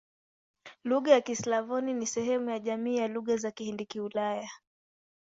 Lugha za Kislavoni ni sehemu ya jamii ya Lugha za Kihindi-Kiulaya.